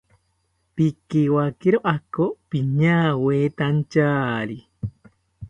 Pikiwakiro ako piñawetantyari